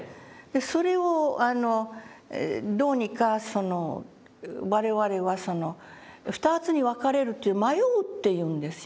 それをどうにか我々は２つに分かれるという「迷う」って言うんですよ。